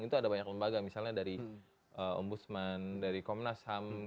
itu ada banyak lembaga misalnya dari ombudsman dari komnas ham